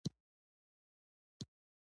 په وجود کې د مېنرالونو کمښت